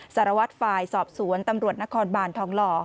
สารวัตรฝ่ายสอบสวนตำรวจนครบานทองหล่อ